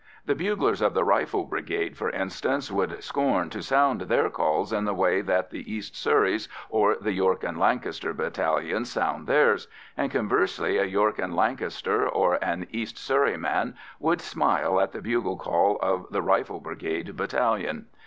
The buglers of the Rifle Brigade, for instance, would scorn to sound their calls in the way that the East Surreys or the York and Lancaster battalions sound theirs, and conversely a York and Lancaster or an East Surrey man would smile at the bugle call of the Rifle Brigade battalion.